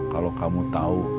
kalau kamu tahu